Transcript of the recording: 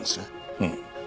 うん。